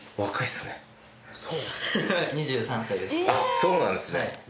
そうなんですね。